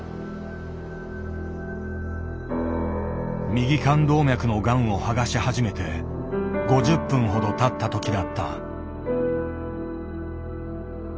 右肝動脈のがんを剥がし始めて５０分ほどたった時だった。